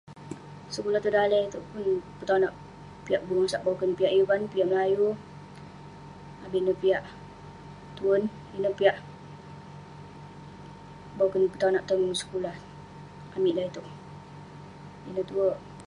Sekulah tong daleh itouk, pun petonak piak bengosak boken. Piak ivan, piak melayu, abin neh piak tuen. ineh piak boken petonak tong sekulah amik lak itouk. Ineh tue.